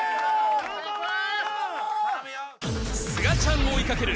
すがちゃんを追いかける